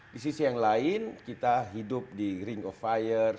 di sisi yang lain kita hidup di ring of fire